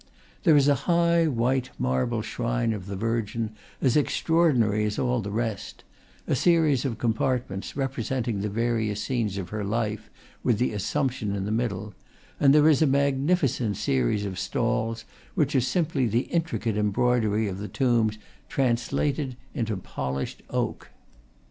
There is a high, white marble shrine of the Virgin, as extra ordinary as all the rest (a series of compartments, re presenting the various scenes of her life, with the Assumption in the middle); and there is a magnifi cent series of stalls, which are simply the intricate embroidery of the tombs translated into polished oak.